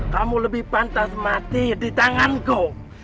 kamu lebih pantas mati di tanganku